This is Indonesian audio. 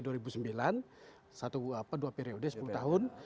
dua periode sepuluh tahun